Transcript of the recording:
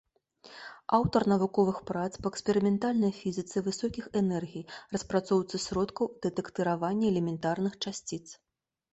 Аўтар навуковых прац па эксперыментальнай фізіцы высокіх энергій, распрацоўцы сродкаў дэтэктыравання элементарных часціц.